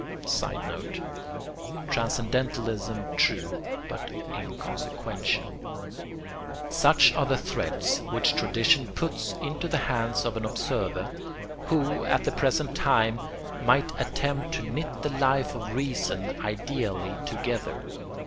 [Sidenote: Transcendentalism true but inconsequential.] Such are the threads which tradition puts into the hands of an observer who at the present time might attempt to knit the Life of Reason ideally together.